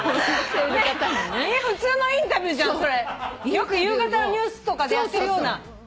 よく夕方のニュースとかでやってるような。